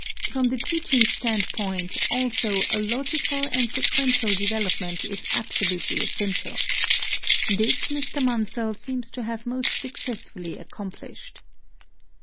From the teaching standpoint also a logical and sequential development is absolutely essential. This Mr. Munsell seems to have most successfully accomplished.